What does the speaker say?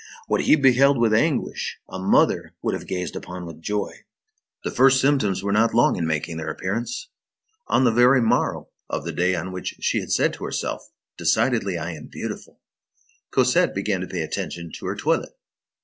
What he beheld with anguish, a mother would have gazed upon with joy. The first symptoms were not long in making their appearance. On the very morrow of the day on which she had said to herself: "Decidedly I am beautiful!" Cosette began to pay attention to her toilet.